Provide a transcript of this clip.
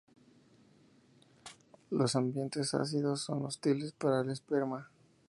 Los ambientes ácidos son hostiles para el esperma.